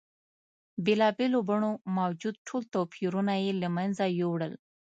بېلا بېلو بڼو موجود ټول توپیرونه یې له منځه یوړل.